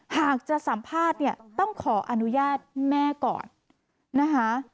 หากจะสัมภาษณ์เนี่ยต้องขออนุญาตแม่ก่อนนะคะ